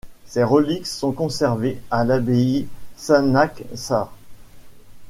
Ses reliques sont conservées à l'abbaye Sanaksar.